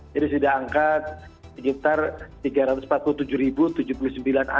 jadi sudah angkat sekitar tiga ratus empat puluh tujuh tujuh puluh sembilan anak